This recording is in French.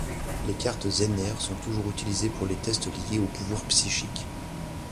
Les cartes Zener sont toujours utilisées pour les tests liés aux pouvoirs psychiques.